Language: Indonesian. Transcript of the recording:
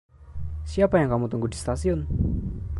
Siapa yang kamu tunggu di stasiun?